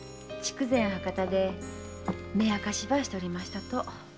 博多で目明ばしとりましたと。